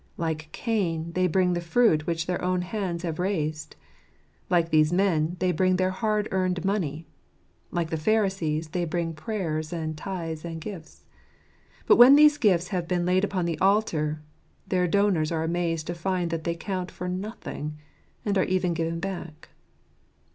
Like Cain, they bring the fruit which their own hands have raised. Like these men, they bring their hard earned money. Like the Pharisees, they bring prayers and tithes and gifts. But when these gifts have been laid upon the altar, their donors are amazed to find that they count for nothing, and are even given back.